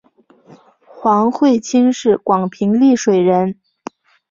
黄晦卿是广平丽水人。